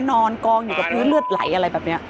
นอนกองอยู่กับพื้นเลือดไหลอะไรแบบนี้